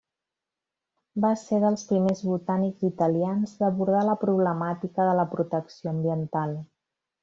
Va ser dels primers botànics italians d'abordar la problemàtica de la protecció ambiental.